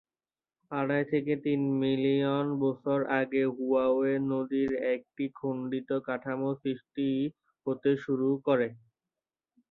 আড়াই থেকে তিন মিলিয়ন বছর আগে ওহাইও নদীর একটি খন্ডিত কাঠামো সৃষ্টি হতে শুরু করে।